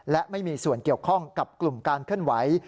และไม่มีส่วนเกี่ยวข้องกับกลุ่มการเคลื่อนไหว